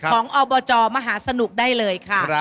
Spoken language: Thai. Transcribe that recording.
อบจมหาสนุกได้เลยค่ะ